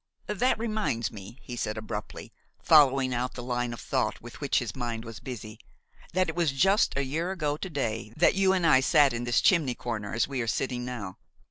"That reminds me," he said abruptly, following out the line of thought with which his mind was busy, "that it was just a year ago to day that you and I sat in this chimney corner as we are sitting now.